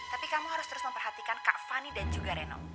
tapi kamu harus terus memperhatikan kak fani dan juga reno